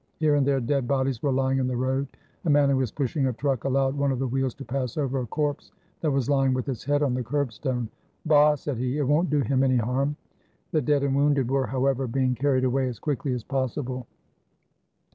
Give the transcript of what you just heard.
Here and there dead bodies were lying in the road. A man who was pushing a truck allowed one of the wheels to pass over a corpse that was lying with its head on the curbstone. "Bah!" said he, "it won't do him any harm." The dead and wounded were, however, being carried away as quickly as possible.